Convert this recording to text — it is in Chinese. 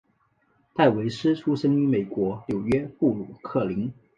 戴维斯出生于美国纽约布鲁克林。